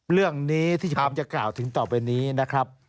เรื่องนี้ที่ผมจะกล่าวถึงต่อไปนี้นะครับ